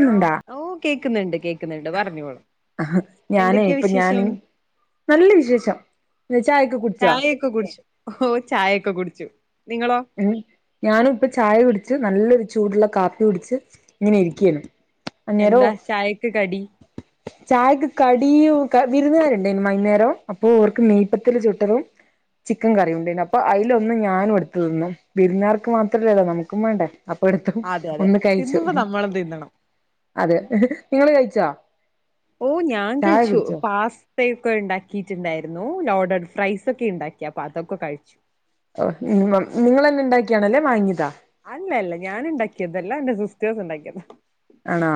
ന്നുണ്ടാ ഓ കേക്കുന്നുണ്ട് കേക്കുന്നുണ്ട് പറഞ്ഞോളൂ ഞാനേ എന്തൊക്കെയാ ഇപ്പൊ ഞാന് വിശേഷം നല്ല വിശേഷം ചായക്കെ കുടിച്ചോ ഓഹ് ചായക്കെ കുടിച്ചു നിങ്ങളോ ഉം ഞാനും ഇപ്പ ചായ ടി ച്ച് നല്ലൊരു ചൂടുള്ള കാപ്പി കുടിച്ച് ഇങ്ങനെ ഇരിക്കയാണ് എന്താ ചായക്ക് കടി ചായക്ക് കടിയോ വിരുന്നുകരുണ്ടാര്ന്നു വൈന്നാരം അപ്പൊ ഓർക്ക് നെയ്പ്പത്തിൽ ചുട്ടതും ചിക്കൻ കറിയുണ്ടേയ്ന് അപ്പൊ അതിലൊന്ന് ഞാനു എടുത്ത് തിന്നു. വിരുന്നാർക്ക് മാത്രല്ലല്ലോ നമുക്കും വേണ്ടേ അപ്പൊ എടുത്തു അതെ അതെ ഒന്ന് കഴിച്ചു. തിന്നുമ്പോ നമ്മളും തിന്നണം അതെ നിങ്ങള് കഴി ച്ചാ ഓ ഞാൻ കഴിച്ചു പാസ്തയൊക്കെ ഉണ്ടാക്കിട്ടുണ്ടായിരുന്നു നോ നോഡഡ് ഫ്രൈസക്കെ ഇണ്ടാക്കി അപ്പൊ അതൊക്കെ കഴിച്ചു ഓഹ് നിങ്ങൾ നിങ്ങളന്നെ ഇണ്ടാക്കിയാണൊ അല്ലേ വാങ്ങിയതാ അല്ല അല്ല ഞാന് ഇണ്ടാക്കിയതല്ല എന്റെ സിസ്റ്റേഴ്സ് ഇണ്ടാക്കിയത ആണാ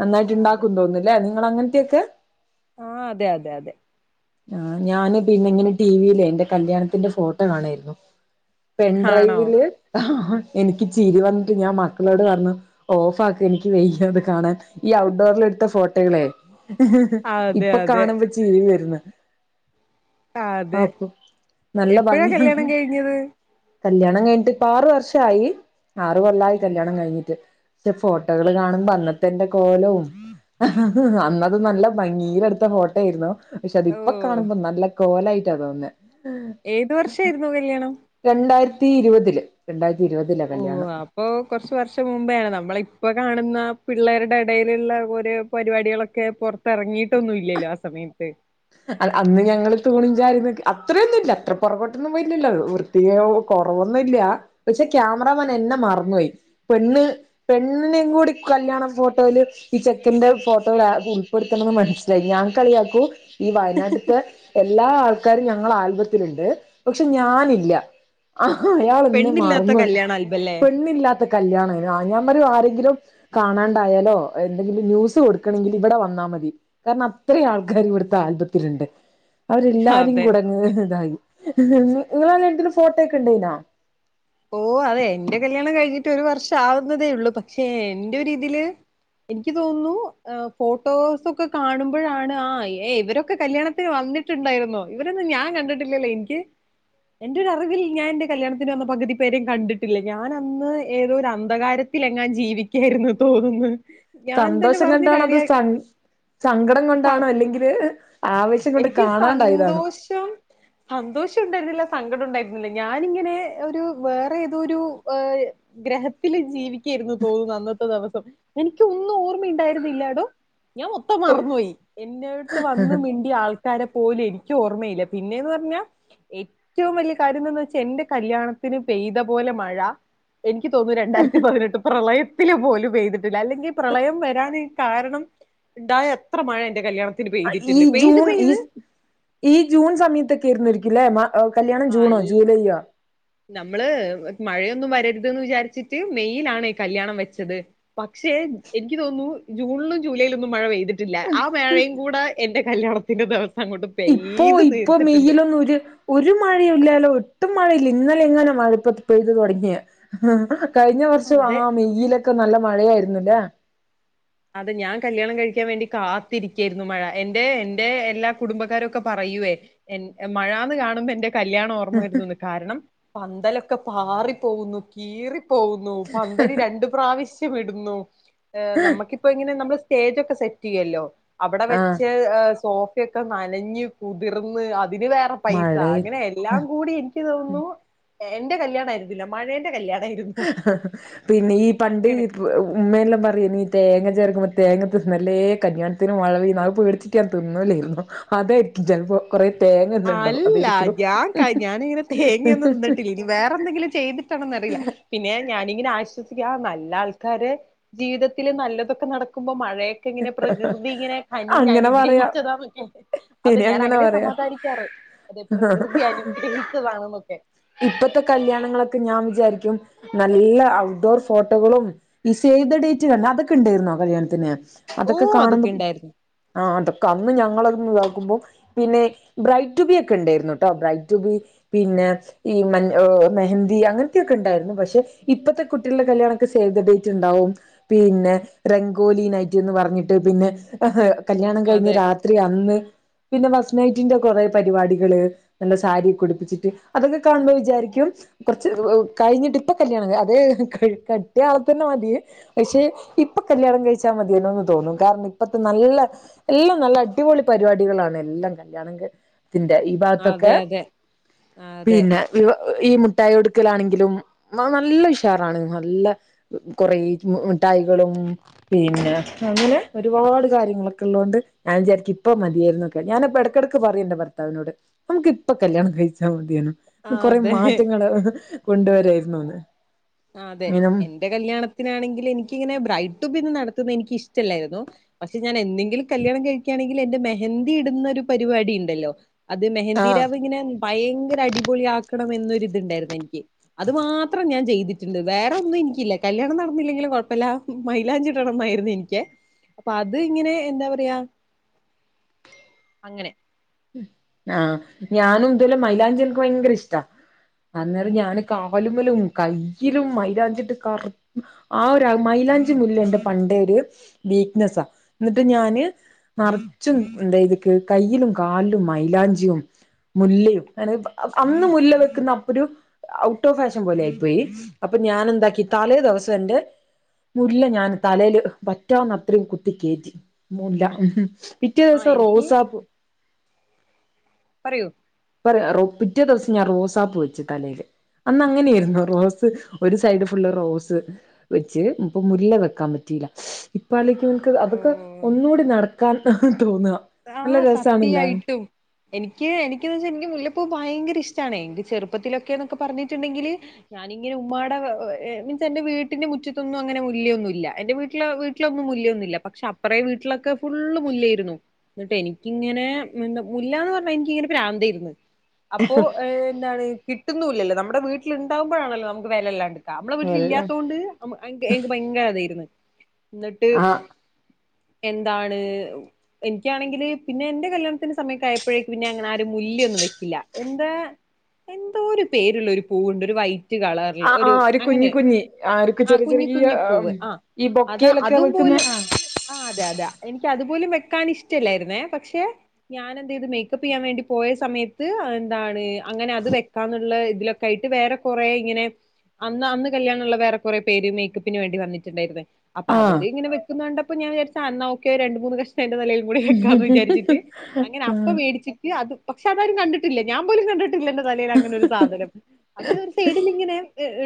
നന്നായിട്ട് ഉണ്ടാക്കും തോന്നുംല്ലേ നിങ്ങള് അങ്ങനത്തെയൊക്കെ ആഹ് അതെ അതെ അതെ ആഹ് ഞാന് പിന്നെ ഇങ്ങനെ ടിവിയിലേ എന്റെ കല്യാണത്തിന്റെ ഫോട്ടോ കാണായിരുന്നു പെൻ ആണോ ഡ്രൈവില് ഹ ഹ എനിക്ക് ചിരി വന്നിട്ട് ഞാൻ മക്കളോട് പറഞ്ഞു ഓഫ് ആക്ക് എനിക്ക് വെയ്യ അത് കാണാൻ ഈ ഔഡോറിൽ എടുത്ത ഫോട്ടോകളെ അതെ ഇപ്പൊ അതെ കാണുമ്പോ ചിരി വരുന്ന് അതെ അപ്പൊ നല്ല എപ്പഴാ ഭംഗിയ കല്യാണം ഹ്ഹ് കഴിഞ്ഞത് കല്യാണം കഴിഞ്ഞിട്ട് ഇപ്പൊ ആറ് വർഷായി. ആറ് കൊല്ലായി ഉം. കല്യാണം കഴിഞ്ഞിട്ട് ഫോട്ടോകള് കാണുമ്പോ അന്നത്തെന്റെ കോലോം ഹ്‌ഹ് അന്നത് നല്ല ഭംഗീല് എടുത്ത ഫോട്ടേര്ന്നു പക്ഷെ അത് ഓ ഇപ്പൊ കാണുമ്പോ നല്ല കോലായിട്ടാ തോന്ന്ന്ന് ഏത് വർഷായിരുന്നു കല്യാണം രണ്ടായിരത്തി ഇരുപതില് രണ്ടായിരത്തി ഇരുപതിലാ ഓ കല്യാണം അപ്പൊ കൊറച്ച് വർഷം മുമ്പേയാണ് നമ്മളെ ഇപ്പൊ കാണുന്ന പിള്ളേരുടെ ഇടയിലുള്ള ഓരോ പരിപാടികളൊക്കെ പുറത്തിറങ്ങിയിട്ടൊന്നും ഇല്ലല്ലോ ആ സമയത്ത് അ അന്ന് ഞങ്ങള് തൂണും ചാരി നിക്ക അത്രയൊന്നും ഇല്ല അത്ര പുറകോട്ടൊന്നും പോയിട്ടില്ലല്ലോ അത്. വൃത്തി കുറവൊന്നില്ല. പക്ഷെ ക്യാമറാമാൻ എന്നെ മറന്നു പോയി. പെണ്ണ് പെണ്ണിനേം കൂടി കല്യാണ ഫോട്ടോയില് ഈ ചെക്കന്റെ ഫോട്ടോല് ഉൾപ്പെടുത്തണെന്ന് മനസ്സിലായി ഞാൻ കളിയാക്കൂ ഈ വയനാട്ട്ത്തെ എല്ലാ ആൾക്കാരും ഞങ്ങളെ ആൽബത്തില്ണ്ട്. പക്ഷെ ഞാനില്ല ആഹ് അയാളെന്നെ പെണ്ണില്ലാത്ത മറന്നോയി. കല്യാണ ആൽബല്ലേ പെണ്ണില്ലാത്ത കല്യാണ ആഹ് ഞ ആരെയെങ്കിലും കാണാണ്ടായാലോ എന്തെങ്കിലും ന്യൂസ് കൊടുക്കണെങ്കിൽ ഇവിടെ വന്നാൽ മതി കാരണം അത്രേ ആൾക്കാർ ഇവിടുത്തെ ആൽബത്തില്ണ്ട്. അതെ അവരെല്ലാരെകൂടെങ്ങ് ഇതായി നിങ്ങളല്ല്യാണത്തിന് ഫോട്ടോ ഒക്കെ ഉണ്ടായിനോ ഓ അതെ എന്റെ കല്യാണം കഴിഞ്ഞിട്ട് ഒരു വർഷം ആവുന്നതേ ഉള്ളൂ പക്ഷേ എന്റെ ഒരു ഇതില് എനിക്ക് തോന്നുന്നു ഫോട്ടോസൊക്കെ കാണുമ്പഴാണ് ആ ഏ ഇവരൊക്കെ കല്യാണത്തിന് വന്ന് വന്നിട്ടുണ്ടായിരുന്നോ ഇവരൊന്നും ഞാൻ കണ്ടിട്ടില്ലല്ലേ എനിക്ക് എന്റെ ഒരു അറിവിൽ ഞാനെന്റെ കല്യാണത്തിന് വന്ന പകുതി പേരീം കണ്ടിട്ടില്ല. ഞാൻ അന്ന് ഏതോ ഒരു അന്ധകാരത്തിൽ എങ്ങാൻ ജീവിക്കായിരുന്നു തോന്നുന്ന് സന്തോഷം കൊണ്ടാണോ അത് സ സങ്കടം സ കൊണ്ടാണോ അല്ലെങ്കില് ആവേശം കൊണ്ട് എനിക്ക് കാണാണ്ടായതാണോ സന്തോഷം സന്തോഷം ഉണ്ടായിരുന്നില്ല സങ്കടം ഉണ്ടായിരുന്നില്ല ഞാനിങ്ങനെ ഒരു വേറെ ഏതോരു ഗ്രഹത്തില് ജീവി കായിരുന്നു തോന്നുന്നു അന്നത്തെ ദിവസം എനക്ക് ഒന്നും ഓർമ്മുണ്ടായിരുന്നില്ലടോ ഞാൻ മൊത്തം മറന്നു പോയി എന്നോട്ട് വന്ന് മി ആൾക്കാരെ പോലും എനിക്ക് ഓർമ്മയില്ല പിന്നെന്ന് പറഞ്ഞാൽ ഏറ്റവും വലിയ കാര്യം എന്ന് വെച്ചാൽ എൻ്റെ കല്യാ ണത്തിന് പെയ്ത പോലെ മഴ എനിക്ക് തോന്നുന്നു രണ്ടായിരത്തി പതിനെട്ട് പ്രളയത്തില് പോലും പെയ്തിട്ടില്ല അല്ലെങ്കിൽ പ്രളയം വരാന് കാരണം ഉണ്ടായ എത്ര മഴ എന്റെ കല്യാണത്തിന് ഈ പെയ്തിട്ടുണ്ട് പെയ്ത് ജൂൺ ഈ പെയ്ത് ഈ ജൂൺ സമയത്തൊക്കെ ഇരുന്നിരിക്കില്ലേ ആ കല്യാണം ജൂണോ അല്ല ജൂലൈയോ നമ്മള് മഴയൊന്നും വരരുതന്ന് വിചാരിച്ചിട്ട് മെയ്യിലാണ് കല്യാണം വെച്ചത് പക്ഷേ എനിക്ക് തോന്നുന്നു ജൂണിലും ജൂലൈയിലൊന്നും മഴ പെയ്തിട്ടില്ല ആ മഴയും കൂടെ എന്റെ കല്യാണത്തിന്റെ ദിവസം അങ്ങോട്ടും ഇപ്പോ ഇപ്പൊ മെയിലൊന്ന് ഒര് ഒരു മഴ മഴല്ലാലോ ഒട്ടും മഴയില്ല ഇന്നലെ ഇങ്ങനെ മഴ ഇപ്പൊ പെയ്ത് തുടങ്ങിയ കഴിഞ്ഞ വർഷം അതെ ആ മെയിലൊക്കെ നല്ല മഴയായിരുന്നുല്ലേ അതെ ഞാൻ കല്യാണം കഴിക്കാൻ വേണ്ടി കാത്തിരിക്കായിരുന്നു മഴ എന്റെ എന്റെ എല്ലാ കുടുംബക്കാആരൊക്കെ പറയും ചെയ്യുവേ മഴാന്ന് കാണുമ്പോ എന്റെ കല്യാണം ഓർമ്മ വരുന്നുന്ന് കാരണം പന്തലൊക്കെ പാറി പോകുന്നു കീറി പോകുന്നു പന്തല് രണ്ട് പ്രാവശ്യം ഇടുന്നു ഏ നമുക്കിപ്പോ ഇങ്ങനെ നമ്മള് സ്റ്റേജൊക്കെ സെറ്റ് ചെയ്യല്ലോ അവിടെ ആഹ് വെച്ച് സോ ഒക്കെ നനഞ്ഞ് കുതിർന്ന് അതിന് വേറെ പൈസ മഴയും അങ്ങനെ എല്ലാം കൂടി എനിക്ക് തോന്നുന്നു എന്റെ കല്യാണ ആയിന്നില്ല മഴേന്റെ കല്യാണ ഹഹ പിന്നെ ഈ പണ്ട് അങ്ങനെ ഉമ്മയെല്ലാം പറയ നീ തേങ്ങ ചേരക്കുമ്പോ തേങ്ങ തിന്നല്ലേ കല്യാണത്തിനും വളവി പേടിച്ചട്ട് ഞാൻ തിന്നലായിരുന്നു അതായിരിക്കും ഞാനപ്പോ കൊറ അല്ല ഞാൻ ഞാനിങ്ങനെ തേങ്ങൊന്നും നിന്നിട്ടില്ല ഇനി വേറെന്തെങ്കിലും ചെയ്തിട്ടാണെന്ന റിയില്ല പിന്നെ ഞാനിങ്ങനെ ആശ്വസിക്കാ നല്ല ആൾക്കാര് ജീവിതത്തില് നല്ലതൊക്കെ നടക്കുമ്പോ മ ഴയക്കെ ഇങ്ങനെ പ്രകൃതി ഇങ്ങനെ കനിഞ്ഞ് അങ്ങനെ പറയാം അനുഗ്രഹിച്ചതാക്കെ അത് ഇനി ഞാൻ അങ്ങനെ പറയാം സമദാനി കാറ് അതെ പ്രകൃതി അനുഗ്രഹിച്ചതാണെന്നൊക്കെ ഇപ്പത്തെ കല്യാണങ്ങളൊക്കെ ഞാൻ വിചാരിക്കും നല്ല ഔട്ട്ഡോർ ഫോട്ടോകളും സേവ് ദ ഡേറ്റ് തന്നെ അതൊക്കെ ഉണ്ടായിരുന്നോ കല്യാണത്തിന് ഓ അതൊക്കെ കാണുന്നു ഉണ്ടായിരുന്നു ആ അതൊ കന്ന് ഞങ്ങള ഇതാക്കുമ്പോ പിന്നെ ബ്രൈഡ് ടുബി ഒക്കെ ഉണ്ടായിരുന്നു കേട്ടോ ബ്രൈഡ് ടുബി പിന്നെ ഏ ഈ മഞ്ഞ മെഹന്തി അങ്ങനത്തെയൊക്കെ ഉണ്ടായിരുന്നു പക്ഷെ ഇപ്പത്തെ കുട്ടികളുടെ കല്യാണമൊക്കെ സേവ് ദ ഡേറ്റ് റ്റ്ണ്ടാവും പിന്നെ രംഗോളി നയി റ്റ്ന്ന് പറഞ്ഞിട്ട് പിന്നെ കല്യാണം കഴിഞ്ഞ് അതെ രാത്രി അന്ന് പിന്നെ ഫസ് നൈറ്റിന്റെ കുറെ പരിപാടികള് നല്ല സാരിയൊക്കെ ഉടിപ്പിച്ചിട്ട് അതൊക്കെ കാണുമ്പോൾ വിചാരിക്കും കുറച്ച് കഴിഞ്ഞിട്ട് ഇപ്പൊ കല്യാണം അതെ കെട്ടിയ ആള തന്നെ മതി പക്ഷെ ഇപ്പൊ കല്യാ ണം കഴിച്ച മതി ന്ന് തോന്നും കാരണം ഇപ്പത്തെ നല്ല എല്ലാം നല്ല അടിപൊളി പരിപാടികളാണ് എല്ലാം കല്യാണ ത്തിന്റെ ഈ ഭാഗത്തൊക്കെ അതെ അതെ അതെ പിന്നെ ഈ മിഠായി കൊടുക്കലാണെങ്കിലും നല്ല ഉഷാറാണ് നല്ല കുറേ മിഠായികളും ഉം പിന്നെ അങ്ങനെ ഒരുപാട് കാര്യങ്ങളൊക്കെ ഉള്ളുകൊണ്ട് ഞാൻ വിചാരിക്ക ഇപ്പം മതിയായിരുന്നുക്കെ ഞാനിപ്പ ഇടക്കിടയ്ക്ക് പറയുണ്ട് ഭർത്താവിനോട് നമുക്ക് ഇപ്പൊ കല്യാണം കഴിച്ചാൽ മതിയാണ് കൊറെ അതെ മാറ്റങ്ങള് കൊണ്ടുവരായിരുന്നു അന്ന് ആ അതെ എന്റെ കല്യാണത്തിനാണെങ്കിൽ എനിക്കിങ്ങനെ ബ്രൈഡ് ടു ബി ഒന്നും നട തുന്ന എനിക്ക് ഇഷ്ടല്ലായിരുന്നു പക്ഷെ ഞാൻ എന്തെങ്കിലും കല്യാണം കഴിക്കുകയാണെങ്കിൽ എന്റെ മെഹന്തി ഇടുന്ന ഒരു പരിപാടി ണ്ടല്ലോ അത് ആഹ് മെഹന്ദീരാവ് ഇങ്ങനെ ഭയങ്കര അടിപൊളി ആക്കണം എന്നൊരി ഇതുണ്ടായിരുന്നു എനിക്ക് അത് മാത്രം ഞാൻ ചെയ്തു ണ്ട് വേറെ ഒന്നും എനിക്കില്ല കല്യാണം നടന്നില്ലെങ്കിലും കൊഴപ്പില്ല മൈലാഞ്ചിടണം എന്നായിരുന്ന് എനിക്കെ അപ്പൊ അത് ഇങ്ങനെ എന്താ പറയാ അങ്ങനെ ആഹ് ഞാനും ഇതുലെ മൈലാഞ്ചിനക്ക് ഭയങ്കരിഷ്ടാ അന്നേരം ഞാന് കാലുമ്മലും കയ്യിലും മൈലാഞ്ചിട്ട് കറു ആ ഒരു മൈ ലാഞ്ചിമുല്ല എന്റെ പണ്ടേരു വീക്ക്നെസാ എന്നിട്ട് ഞാന് നറച്ചും എന്താ എന്താ ചെയ്തക്ക് കയ്യിലും കാലിലും മൈലാഞ്ചിയും മുല്ലയും അങ്ങനെ അന്ന് മുല്ല വെക്കുന്ന അപ്പൊരു ഔട്ട് ഓഫ് ഫാഷൻ പോലെ ആയി പോയി അപ്പൊ ഞാൻ എന്താക്കി തലേ ദിവസം എന്റെ മുല്ല ഞാൻ തലേല് പറ്റാവുന്ന അത്രേം കുത്തികേറ്റി മുല്ല പിറ്റേ ആ ദിവസം എനിക്ക് റോസാപ്പു പറയു പിറ്റേ ദിവസം ഞാൻ റോസാപ്പുവെച്ചു തലേല് അന്ന് അങ്ങനെയാരുന്നൊ റോസ് ഒരു സൈഡ് ഫുള്ള് റോസ് വെച്ച് ഇപ്പൊ മുല്ല വെക്കാൻപറ്റി യില്ല ഇപ്പ അലോചിക്കുമ്പെനിക്ക് അതൊക്കെ ഉം ഒന്നൂടി നടക്കാൻ തോന്നുക നല്ല ആഹ് രസാണല്ലേ സത്യായിട്ടും എനിക്ക് എനിക്കെന്നുച്ചാ എനിക്ക് മുല്ല പ്പു ഭയങ്കര ഇഷ്ടാണെ എനിക്ക് ചെറുപ്പത്തിലൊക്കെന്നൊക്കെ പറഞ്ഞിട്ടുണ്ടെങ്കില് ഞാനിങ്ങനെ ഉമ്മാടെ എന്റെ വീട്ടന്റെ മുറ്റത്തൊന്നും അങ്ങനെ മുല്ലയൊന്നുവില്ല എന്റെ വീട്ടില് വീട്ടിലൊന്നും മുല്ലയൊന്നുമില്ല പക്ഷേ അപ്പറേ വീട്ടിലൊക്കെ ഫുള്ള് മുല്ലായായിരുന്നു എന്നിട്ട് എനിക്കിങ്ങനെ മുല്ലാന്ന് പറഞ്ഞാ എനിക്കിങ്ങനെ പ്രാന്തായിരുന്നു അപ്പൊ എഹ് എന്താണ് കിട്ടുന്നു ഇല്ലല്ലോ നമ്മടെ വീട്ടിൽ ഇണ്ടാകുമ്പോഴാണല്ലോ നമ്മക്ക് വിലയില്ലാണ്ട് ക നമ്മളെ എല്ലാം വീട്ടിലില്ലാത്തോണ്ട് എനിക്ക് ഭയങ്കര അതായിരുന്നു എന്നിട്ട് ആഹ് എന്താണ് എനി എനിക്കാണെങ്കില് പിന്നെ എൻ്റെ കല്യാണത്തിൻ്റെ സമയം ഒക്കെ ആയപ്പോഴേക്കും പിന്നെ അങ്ങനെ ആരും മുല്ല ഒന്നും വെക്കില്ല എന്താ എന്തോരു പേരുള്ള ഒരു പൂവുണ്ട് ഒരു വൈ ആഹ് ആഹ് ഒരു കുഞ്ഞി കുഞ്ഞി ആഹ് ആ ചെറിയ കുഞ്ഞി ചെറിയ കുഞ്ഞി പൂവ്. ആ ഈ ബൊക്കേലൊക്കെ വെക്കുന്ന ആഹ് ആഹ് അതെ അത എനിക്കതു പോലും വെക്കാനിഷ് ട്ടില്ലാരുന്നെ പക്ഷെ ഞാനെന്തെയ്ത് മേക്കപ്പ് ചെയ്യാൻ വേണ്ടി പോയ സമയത്ത് എന്താണ് അങ്ങനെ അത് ഇത് വെക്കാന്നുള്ള ഇതിലൊക്കായിട്ട് വേറെ കൊറെ ഇങ്ങനെ അന്ന് അന്ന് കല്യാണുള്ള വേറെ കുറേ പേര് മേക്കപ്പിന് വേണ്ടി വന്നിട്ടുണ്ടായിരുന്ന് അപ്പൊ ആഹ് അവര് ഇങ്ങനെ വെക്കുന്ന കണ്ടപ്പൊ ഞാൻ വിചാരിച്ച് എന്ന ഓക്കെ രണ്ട് മൂന്ന് കഷ്ണം എൻ്റെ തലേ കൂടിവെക്കാന്ന് ആഹ് വിചരിച്ചിട്ട് അങ്ങനെ അപ്പ മേടിച്ചിട്ട് അത് പക്ഷെ അതാരും കണ്ടിട്ടില്ല ഞാൻ പോലും കണ്ടിട്ടില്ല എന്റെ തലയിൽ അങ്ങനെ ഒരു സാധനം അത് ഒരു സൈഡിലിങ്ങനെ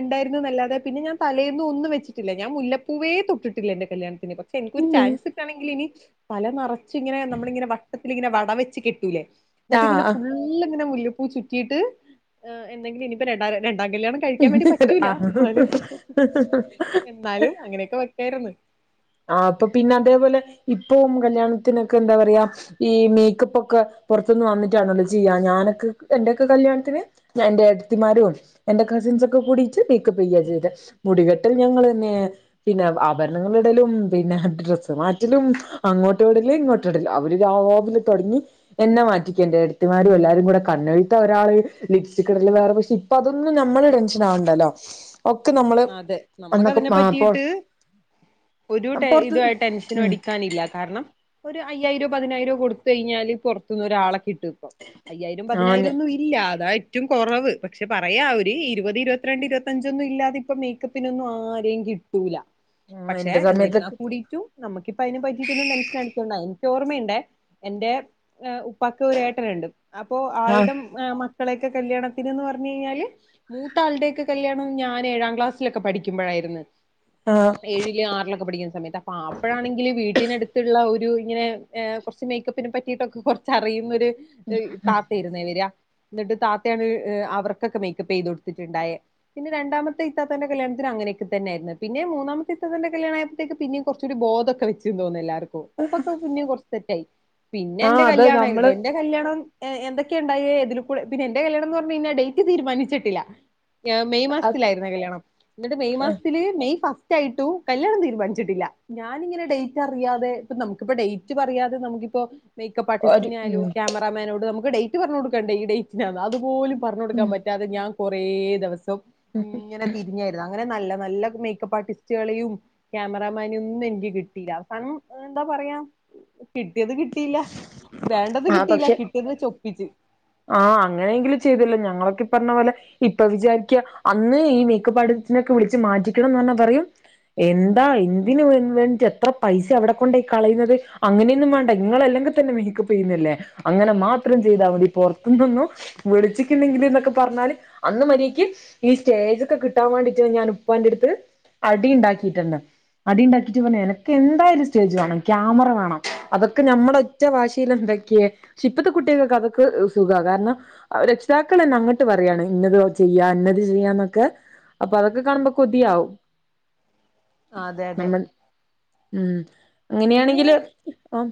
ഇണ്ടായിരുന്നൂന്നെല്ലാതെ പിന്നെ ഞാൻ തലേന്നു ഒന്നും വെച്ചിട്ടില്ല ഞാൻ മുല്ലപ്പൂവേ തൊട്ടിട്ടില്ല എന്റെകല്യാണത്തിന് പക്ഷെ എനിക്കൊരു ചാൻസിട്ടാണെങ്കിലിനി തല നിറച്ച് ഇങ്ങനെ നമ്മളിങ്ങനെ വട്ടത്തിലിങ്ങനെ വട വെച്ച് കെട്ടൂലേ എന്നിട്ടിങ്ങനെ ഫുള് ഇങ്ങനെ മുല്ലപ്പൂ ചുറ്റീട്ട് എന്തെങ്കില ഇനിപ്പോ രണ്ട- കല്യാണം കഴിക്കാന് വേണ്ടി പറ്റൂല ആഹ് ആഹ് എന്നാലും ആഹ് എന്നാലും അങ്ങനെയൊക്കെ വെക്കാര്ന്ന് ആഹ് അപ്പൊപിന്നതേപോലെ ഇപ്പ കല്യാണത്തിനൊക്കെ എന്താ പറയാ ഈ മേക്കപ്പൊക്കെ പൊറത്തുന്ന് വന്നിട്ടാണല്ലോ ചെയ്യാ ഞാനൊക്കെ എന്റൊക്കെ കല്യാണത്തിന് എന്റെ ഏടത്തിമാരു എന്റെക്കെ കസിൻകൊക്കെകൂടീട്ട് മേക്കപ്പേയ ചെയ്തെ മുടികെട്ടൽ ഞങ്ങളെന്നെ പിന്നെ ആഭരണങ്ങള് - ഇടലും പിന്നെ ഡ്രസ്സ് മാറ്റലും അങ്ങോട്ടു ഓടല് ഇങ്ങോട്ട് ഇടല് അവര് രാവിലെ തൊടങ്ങി എന്നെ മാറ്റിക്കേണ്ടണ്ട് എടത്തിമാരും എല്ലാരുകൂടെ കണ്ണെഴ്ത്ത് ഒരാള് ലിപ്സ്റ്റികിടൽ വേറെ പക്ഷെ ഇപ്പതൊന്നുംഞമ്മള് നമ്മള് ടെൻഷൻ ആവണ്ടല്ലോ ഒക്കെ നമ്മള് അതെ നമുക്ക് അന്നൊക്കെ അതിനെ ആ പ്പൊ പറ്റിയിട്ട് ഒരു ടെ ഇത് ടെൻഷനും അടിക്കാനില്ല കാരണം ഒരു അയ്യായിരോ പതിനായിരൊ കൊട്ത്തഴിഞ്ഞാല് പൊർത്തുനൊരാളെ കിട്ടും ട്ടൂപ്പം അയ്യായിരോം ആഹ് ഞ പതിനായിരോന്നും ഇല്ല അതായിരുന്നു ഏറ്റും കൊറവ് പക്ഷെ പറയാം അവര് ഇരുപത് ഇരുപത്തിരണ്ട് ഇരുപത്തഞ്ചൊന്നും ഇല്ലാതെപ്പം ഇപ്പൊ മേക്കപ്പിനൊന്നും ആരെകിട്ടൂല ആഹ് പക്ഷെ എന്റെ സമയത്തൊക്കെ എന്നിരുന്നാകൂടിട്ടും നമ്മക്കിപ്പയിനെ പറ്റിട്ടൊന്നും ടെൻഷൻ അടികണ്ട ചോർമയുണ്ടെ എന്റെ ഉപ്പാക്ക് ഒരു ഏട്ടനുണ്ട് അപ്പൊ ആഹ് ആൾടെ മക്കൾ മക്കളെക്കെ കല്യാത്തിന്ന്ന് പറഞ്ഞഴിഞ്ഞാല് മൂത്താൾടെ ഒക്കെ കല്യാണം ഞാൻ ഏഴാ- ക്ലാസ്സിലൊക്കെ പഠിക്കുമ്പോഴായിരുന്നു ആഹ് ഏഴില് ആറിലൊക്കെ പഠിക്കുന്ന സമയത്ത് അപ്പൊ അപ്പഴാണെങ്കിൽ വീട്ടിനടുത്തുള്ള ഒരു ഇങ്ങനെ കുറച്ച് മേക്കപ്പിനെ പറ്റിട്ടൊക്കെ കുറച്ച് അറിയുന്നൊരു താത്ത ഇരുന്നേ വര എന്നിട്ട് താത്തയാണ് അവർക്കൊക്കെ മേക്കപ്പ് ചെയ്ത്ടുത്തിട്ടുണ്ടായത് പിന്നെ രണ്ടാമത്തെ ഇത്താത്തന്റെ കല്യാത്തിനെങ്ങനൊക്കെ തന്നെയായിരുന്ന്. പിന്ന മൂന്നാമത്തെ ഇതാണാന്റെ കല്യാണായ പ്പോഴത്തേക്ക് പിന്നേ കുറച്ചൊരു ബോധൊക്കെ വച്ചു തോന്നുന്നു എല്ലാർക്കും ഇപ്പൊക്കെ കുഞ്ഞം കുറച്ച് സെറ്റായി പിന്നെ ആഹ് എന്റെ അത് കല്യാണായിരുന്നു നമ്മള് എന്റെ കല്യാണം എന്തൊക്കെയ ഉണ്ടായി പിന്നെ എന്റെ കല്യാണംന്ന് പറഞ്ഞയ്ഞ്ഞാൽ ഡേറ്റ് തീരുമാനിച്ചിട്ടില്ല മെയ് അത് കല്യാണം എന്നിട്ട് മെയ് മാസത്തില് മെയ് ഫസ്റ്റ് ആയിട്ടു കല്യാണം തീരുമാനിച്ചിട്ടില്ല ഞാനിങ്ങനെ ഡേറ്റ് അറിയാതെ ഇപ്പ നമുക്കിപ്പ ഡേറ്റ് പറയാതെ നമുക്കിപ്പോ മേക്കപ്പ് ഒരു ആർട്ടിസ്റ്റിനായാലും ഉം ക്യാമറ മേനോട് നമുക്ക് ഡേറ്റ് പറഞ്ഞു കൊടുക്കണ്ടേ ഈ ഡേറ്റിനാണ് അതുപോലും പറഞ്ഞൊട്ക്കാൻ ഉം പറ്റാതെ ഞാൻ കൊറേ ദിവസം ഇങ്ങനെ തിരിഞ്ഞായിരുന്നു അങ്ങന നല്ല നല്ല മേക്കപ്പ് ആർട്ടിസ്റ്റുകളെയും ക്യാമറമാനേ ഒന്നും എനിക്ക് കിട്ടയില്ല അവസാനം ന്താ പറയ പറയാ കിട്ടിയത് കിട്ടിയില്ല വേണ്ടത് കിട്ടിയില്ല കിട്ടിയതെചൊപ്പിച്ച് ആഹ അങ്ങനെയെങ്കിലും ചെയ്തല്ലോ ഞങ്ങളൊക്കെ പ്പൊ പറഞ്ഞ പോലെ ഇപ്പൊ വിചാരിക്ക അന്ന് ഈ മേക്കപാർടിസ്റ്റ് സിനൊക്കെ വിളച്ച് മാറ്റിക്കണംന്ന് പറഞ്ഞാ പറയും എന്താ എന്തിന് വേണ്ടി് എത്ര പൈസ അവിടെ കൊണ്ട് കളയുന്നത് അങ്ങനെയൊന്നും വേണ്ട ഇങ്ങളല്ലെങ്കി തന്നെ മേക്കപ്പെയ്യുന്നല്ലേ അങ്ങനെ മാത്രം ചെയ്താൽ മതി പുറത്തുനിന്നും വിളിച്ചിട്ടുണ്ടെങ്കിൽ എന്നൊക്കെ പറഞ്ഞാല് അന്ന് മര്യായ്ക്ക് ഈ സ്റ്റേജൊക്കെ കിട്ടാ മണ്ടീട്ട് ഞാൻ ഉപ്പാൻ്റട്ത്ത് അടിണ്ടാക്കീട്ടുണ്ട് അടി ഉണ്ടാക്കിട്ട് പറഞ്ഞ് എനക്ക് എന്തായാലൊരു സ്റ്റേജ് വേണം ക്യാമറ വേണം അതൊക്കെ നമ്മടെ ഒറ്റ വാശീലണ്ടാക്കിയത് പക്ഷേ ഇപ്പത്ത കുട്ട്യകൊക്കത് ത് സുഖാ കാരണം രക്ഷിതാക്കളെന്നെ അങ്ങോട്ട് പറയാണ് ഇന്നത് ചെയ്യാ ഇന്നത് ചെയ്യാന്നൊക്കെ അപ്പൊ അതൊക്കെ കാണുമ്പോ കൊതിയാവും അതെ അതെ നമ്മൾ ഉം പിന്നെ അങ്ങനെയാണെങ്കില് ഓ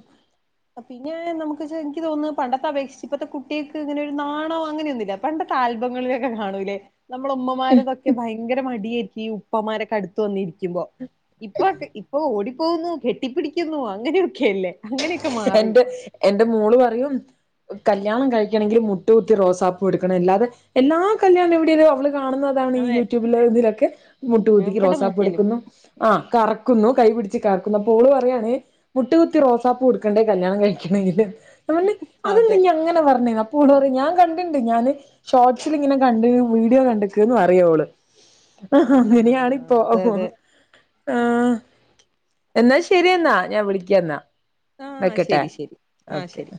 ഇൻക്ക് തോന്നുന്നു പണ്ടത്തെപേക്ഷിച്ച് ഇപ്പത്തെ കുട്ടികൾക്ക് ങ്ങനെരു നാണോ അങ്ങനെയൊന്നുമില്ല പണ്ടത്തെ ആൽബങ്ങളിലൊക്കെ കാണൂല്ലേ നമ്മള ഉമ്മമാര്തൊക്കെ ഭയങ്കര മടിയായിറ്റ് ഈ ഉപ്പമാരൊക്കെടുത്ത് വന്നിരിക്കും ഇപ്പൊ ഇപ്പൊ ഓടിപ്പോകുന്നു കെട്ടിപ്പിടിക്കുന്നു അങ്ങനെയൊക്കെല്ലേ എൻ്റെ എൻ്റെ മോള് പറയും കല്യാണം കഴിക്കണെങ്കിൽ മുട്ട് കുത്തി റോസാപ്പു കൊടുക്കണം അല്ലാതെ എല്ലാ കല്യാണ വീഡിയോലും അവള് കാണുന്നതാണ് അതെ യൂട്യൂബില് ഇതിലൊക്കെ മുട്ട് കുത്തി എവിടെ നോക്കിയാലും റോസപ്പടുക്കുന്നു ആ കറക്കുന്നു കൈ പിടിച്ച് കർക്കുന്നു അപ്പോ ഓള് പറയാണ് മുട്ട് കുത്തി റോസാപ്പൂ കൊടുക്കണ്ടേ കല്യാണം കഴിക്കണെങ്കില് അമല്, അതെന്തെ അതെ നീങ്ങനെ പറഞ്ഞെഡാ കൂട്തല് ഞാൻ കൻണ്ടിണ്ട് ഞാന് ഷോർട്സിലിങ്ങനെ കണ്ട് വീഡിയോ കണ്ടിക്ക്ന്ന് പറിയ ഓള് ആ ആങ്ങനെയാണിപ്പോ, ഓ അതെ അതെ ഓ ആഹ്, എന്നാ ശരിയെന്നാ ഞാൻ വിളിക്ക്യന്നാ ആ വെക്കട്ടെ, ശരി ശരി ആ ഓക്കെ. ശരി